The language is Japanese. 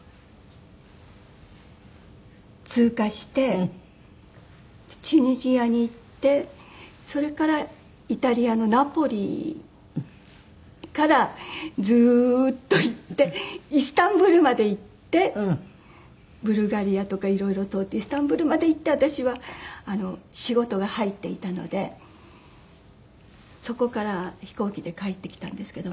通過してチュニジアに行ってそれからイタリアのナポリからずーっと行ってイスタンブールまで行ってブルガリアとかいろいろ通ってイスタンブールまで行って私は仕事が入っていたのでそこから飛行機で帰ってきたんですけども。